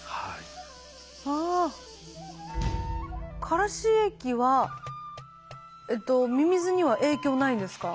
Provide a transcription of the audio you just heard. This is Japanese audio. カラシ液はミミズには影響ないんですか？